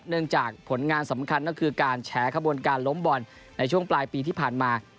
จากผลงานสำคัญก็คือการแฉขบวนการล้มบอลในช่วงปลายปีที่ผ่านมา